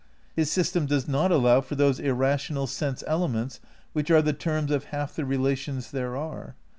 His system does not allow for those irrational sense ele ments which are the terms of half the relations there are.